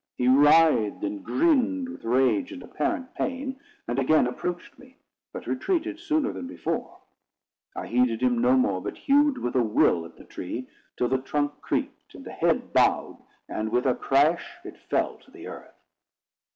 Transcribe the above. He writhed and grinned with rage and apparent pain, and again approached me, but retreated sooner than before. I heeded him no more, but hewed with a will at the tree, till the trunk creaked, and the head bowed, and with a crash it fell to the earth.